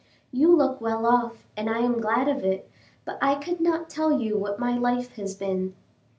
You look well off, and I am glad of it, but I could not tell you what my life has been.